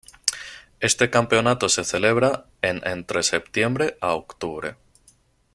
Este campeonato se celebra en entre septiembre a octubre.